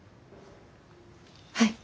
はい！